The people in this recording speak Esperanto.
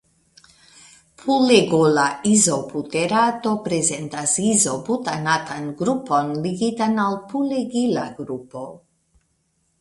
Pulegola izobuterato prezentas izobutanatan grupon ligitan al pulegila grupo.